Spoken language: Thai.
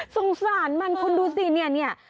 สงสารมันคุณดูซิเนี่ยเนี่ย